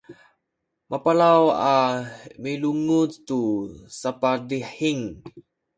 mapalaw a milunguc tu sapadihing